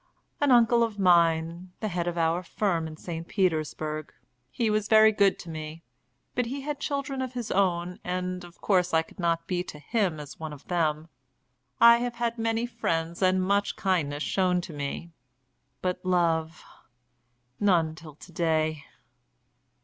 "An uncle of mine, the head of our firm in St. Petersburg. He was very good to me, but he had children of his own, and of course I could not be to him as one of them. I have had many friends and much kindness shown to me, but love! none till to day."